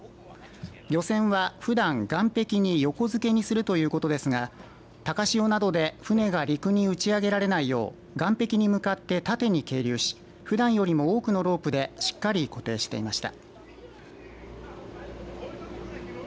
漁船は、ふだん岸壁に横づけするということですが高潮などで船が陸に打ち上げられないよう岸壁に向かって縦に係留しふだんよりも多くのロープでしっかり固定していました。